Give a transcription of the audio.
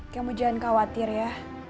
kamu jangan khawatir ya